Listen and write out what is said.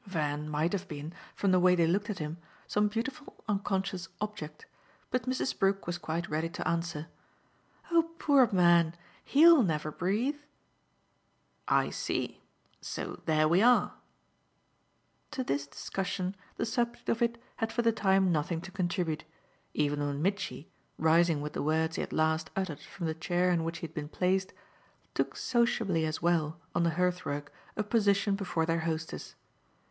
Van might have been, from the way they looked at him, some beautiful unconscious object; but Mrs. Brook was quite ready to answer. "Oh poor man, HE'LL never breathe." "I see. So there we are." To this discussion the subject of it had for the time nothing to contribute, even when Mitchy, rising with the words he had last uttered from the chair in which he had been placed, took sociably as well, on the hearth rug, a position before their hostess.